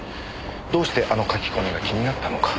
どうしてあの書き込みが気になったのか。